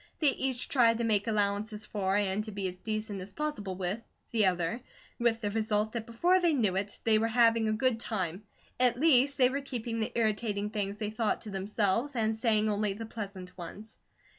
They each tried to make allowances for, and to be as decent as possible with, the other, with the result that before they knew it, they were having a good time; at least, they were keeping the irritating things they thought to themselves, and saying only the pleasant ones.